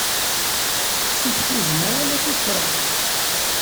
Ttif tuzzma wala tuffra.